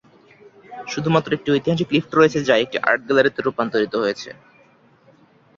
শুধুমাত্র একটি ঐতিহাসিক লিফট রয়েছে, যা একটি আর্ট গ্যালারিতে রূপান্তরিত হয়েছে।